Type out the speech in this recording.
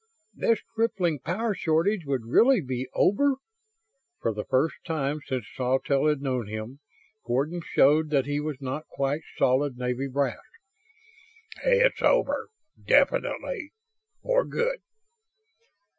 "This crippling power shortage would really be over?" For the first time since Sawtelle had known him, Gordon showed that he was not quite solid Navy brass. "It's over. Definitely. For good."